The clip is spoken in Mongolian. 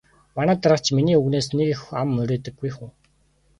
Манай дарга ч миний үгнээс нэг их ам мурийдаггүй хүн.